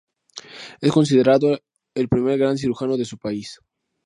Es considerado el primer gran cirujano de su país.